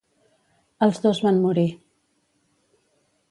Els dos van morir.